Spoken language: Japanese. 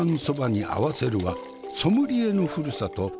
蕎麦に合わせるはソムリエのふるさと